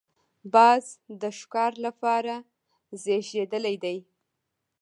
باز د ښکار لپاره زېږېدلی دی